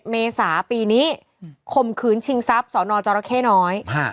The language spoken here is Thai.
เมษาปีนี้ข่มขืนชิงทรัพย์สนจรเข้น้อย